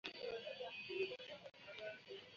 Tewali muntu gwe bagenda kuttira ku liiso